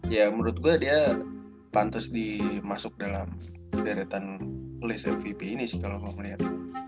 ya menurut gue dia pantas dimasuk dalam deretan list mvp ini sih kalau mau melihat